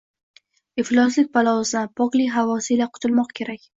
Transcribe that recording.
Ifloslik balosidan poklik davosi ila qutulmoq kerak